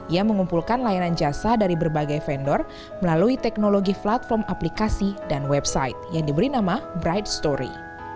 ia mengumpulkan layanan jasa dari berbagai vendor melalui teknologi platform aplikasi dan website yang diberi nama bright story